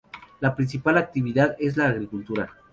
La principal actividad es la agricultura.